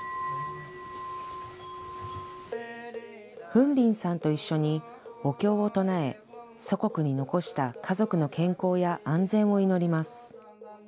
フン・ビンさんと一緒にお経を唱え、祖国に残した家族の健康や安全を祈ります。